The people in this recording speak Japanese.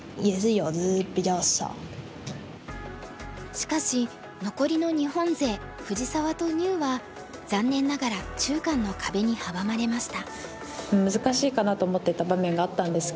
しかし残りの日本勢藤沢と牛は残念ながら中韓の壁に阻まれました。